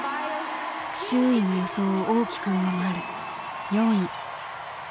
周囲の予想を大きく上回る４位。